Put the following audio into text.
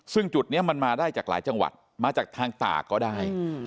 ซึ่งจุดนี้มันมาได้จากหลายจังหวัดมาจากทางตากก็ได้